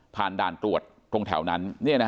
ด่านตรวจตรงแถวนั้น